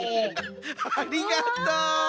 ありがとう！